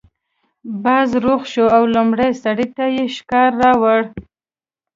باز روغ شو او لومړي سړي ته یې شکار راوړ.